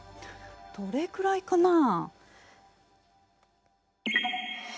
どれくらいかなあ？